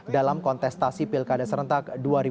dalam kontestasi pilkada serentak dua ribu delapan belas